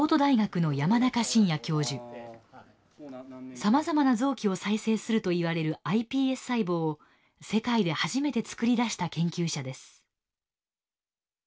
さまざまな臓器を再生すると言われるｉＰＳ細胞を世界で初めてつくり出した研究者です。